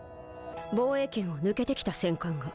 防衛圏を抜けてきた戦艦が。